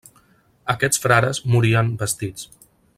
Aquests frares morien vestits.